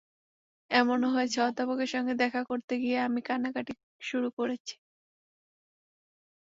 এমনও হয়েছে, অধ্যাপকের সঙ্গে দেখা করতে গিয়ে আমি কান্নাকাটি শুরু করেছি।